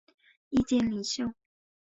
意见领袖。